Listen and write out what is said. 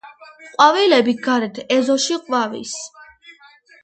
ყვავილები გარეთ ეზოში ყვავის